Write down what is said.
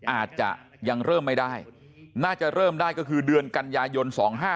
อาจจะยังเริ่มไม่ได้น่าจะเริ่มได้ก็คือเดือนกันยายน๒๕๖